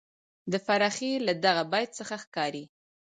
د فرخي له دغه بیت څخه ښکاري،